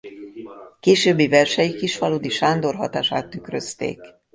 Későbbi versei Kisfaludy Sándor hatását tükrözték.